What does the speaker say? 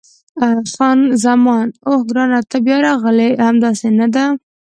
خان زمان: اوه، ګرانه ته بیا راغلې! همداسې نه ده؟